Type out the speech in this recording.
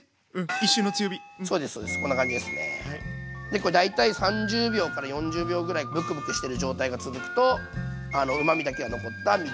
でこれ大体３０秒４０秒ぐらいブクブクしてる状態が続くとうまみだけが残ったみりんになっていきます。